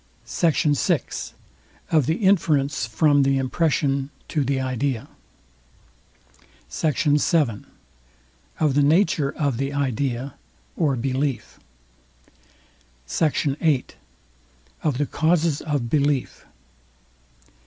SECT. VI. OF THE INFERENCE FROM THE IMPRESSION TO THE IDEA. SECT. VII. OF THE NATURE OF THE IDEA OR BELIEF. SECT. VIII. OF THE CAUSES OF BELIEF.